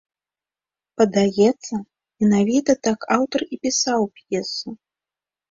Падаецца, менавіта так аўтар і пісаў п'есу.